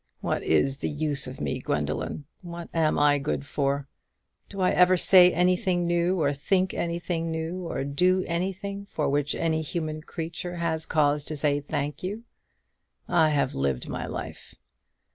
What is the use of me, Gwendoline? what am I good for? Do I ever say anything new, or think anything new, or do anything for which any human creature has cause to say, Thank you? I have lived my life.